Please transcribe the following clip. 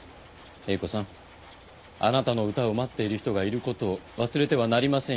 英子さんあなたの歌を待っている人がいることを忘れてはなりませんよ。